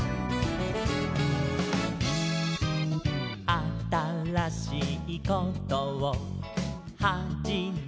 「あたらしいことをはじめましょう」